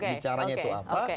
bicaranya itu apa